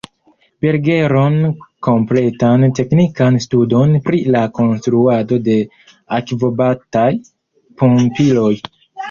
Bergeron kompletan teknikan studon pri la konstruado de akvobataj pumpiloj.